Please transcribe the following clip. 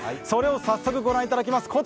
それを早速御覧いただきます